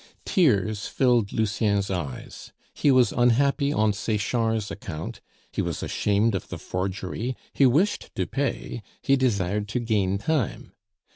Tears filled Lucien's eyes; he was unhappy on Sechard's account, he was ashamed of the forgery, he wished to pay, he desired to gain time.